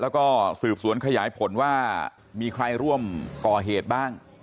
แล้วก็สืบสวนขยายผลว่ามีใครร่วมก่อเหตุบ้าง